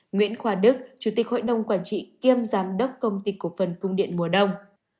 nguyễn khoa đức chủ tịch hội đồng quản trị kiêm giám đốc công ty cổ phần cung điện mùa đông